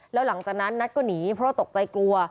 แล้วหลังจากนั้นนัทก็หนีเพราะว่าตกใจกลัว